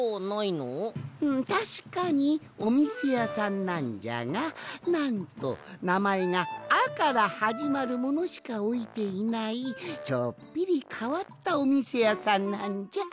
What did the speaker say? んたしかにおみせやさんなんじゃがなんとなまえが「あ」からはじまるものしかおいていないちょっぴりかわったおみせやさんなんじゃ。